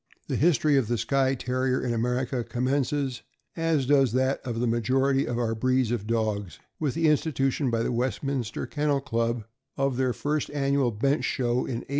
The history of the Skye Terrier in America commences, as does that of the majority of our breeds of dogs, with the institution by the Westminster Kennel Club of their first annual bench show, in 1877.